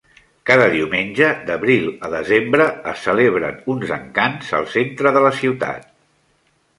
Cada diumenge d'abril a desembre es celebren uns encants al centre de la ciutat.